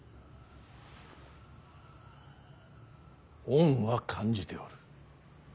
恩は感じておる。